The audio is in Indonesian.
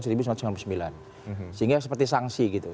sehingga seperti sanksi gitu